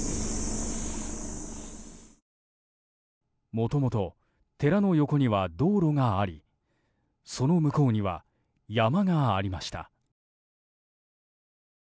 もともと寺の横には道路がありその向こうには山がありました。